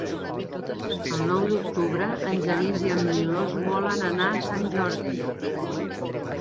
El nou d'octubre en Genís i en Milos volen anar a Sant Jordi.